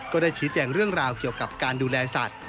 ก็ได้ชี้แจงเรื่องราวเกี่ยวกับการดูแลสัตว์